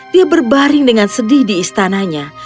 dia berbaring dengan sedih di istananya